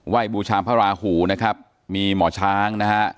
บูชาพระราหูนะครับมีหมอช้างนะฮะ